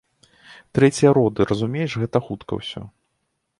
Трэція роды, разумееш, гэта хутка ўсё.